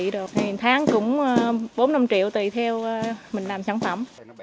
thì tháng cũng bốn năm triệu tùy theo mình làm sản phẩm